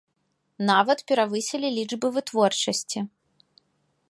Нават перавысілі лічбы вытворчасці.